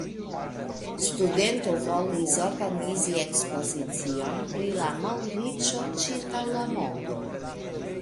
Studento volis organizi ekspozicion pri la malriĉo ĉirkaŭ la mondo.